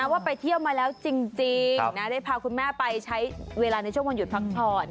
ว่าไปเที่ยวมาแล้วจริงได้พาคุณแม่ไปใช้เวลาในช่วงวันหยุดพักผ่อน